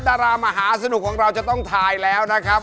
ดารามหาสนุกของเราจะต้องทายแล้วนะครับ